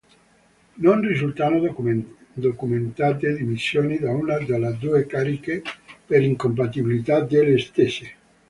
Non risultano documentate dimissioni da una delle due cariche per incompatibilità delle stesse.